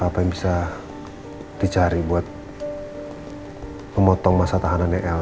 apa yang bisa dicari buat memotong masa tahanannya elsa